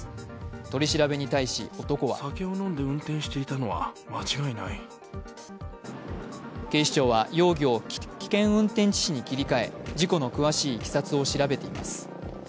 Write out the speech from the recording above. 取り調べに対し、男は警視庁は容疑を危険運転致死に切り替え、事故の詳しいいきさつを調べています。